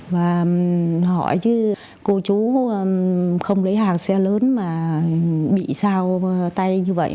và hỏi chứ cô chú không lấy hàng xe lớn mà bị sao tay như vậy